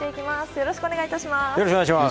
よろしくお願いします。